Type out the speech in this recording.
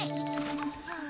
はあ。